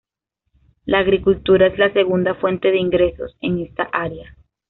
La agricultura es la segunda fuente de ingresos en esta área.